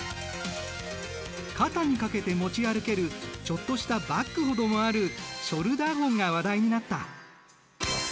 肩にかけて持ち歩けるちょっとしたバッグほどもあるショルダーホンが話題になった。